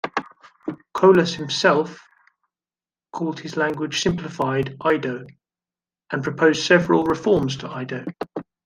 Colas himself called his language "simplified Ido" and proposed several reforms to Ido.